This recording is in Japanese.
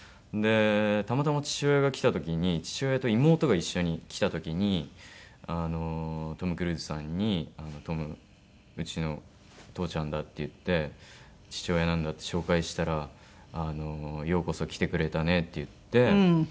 たまたま父親が来た時に父親と妹が一緒に来た時にトム・クルーズさんに「トムうちの父ちゃんだ」って言って父親なんだって紹介したら「ようこそ来てくれたね」って言って。